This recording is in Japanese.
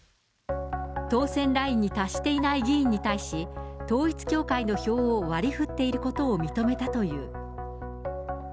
当選ラインに達していない議員に対し、統一教会の票を割りふっていることを認めたという。